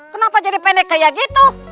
kenapa jadi pendek kayak gitu